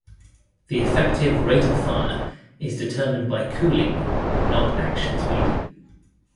The effective rate of fire is determined by cooling, not action speed.